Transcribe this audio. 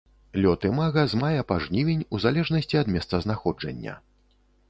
Лёт імага з мая па жнівень у залежнасці ад месцазнаходжання.